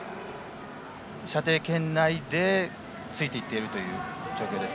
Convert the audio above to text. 射程圏内でついていっているという状況です。